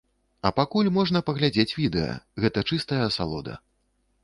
А пакуль можна паглядзець відэа, гэта чыстая асалода.